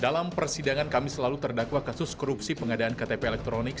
dalam persidangan kami selalu terdakwa kasus korupsi pengadaan ktp elektronik